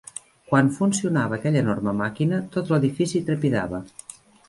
Quan funcionava aquella enorme màquina, tot l'edifici trepidava.